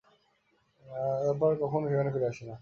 তারপর আর কখনো তারা সেখানে ফিরে আসে না।